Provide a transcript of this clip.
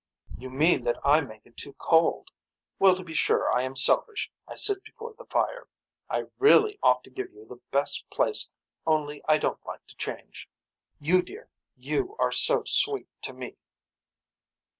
You mean that I make it too cold. Well to be sure I am selfish I sit before the fire. I really ought to give you the best place only I don't like to change. You dear you are so sweet to me.